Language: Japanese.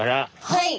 はい。